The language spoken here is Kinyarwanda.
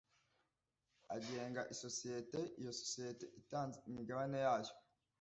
agenga isosiyete iyo isosiyete itanze imigabane yo